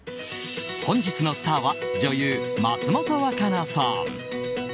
本日のスターは女優・松本若菜さん。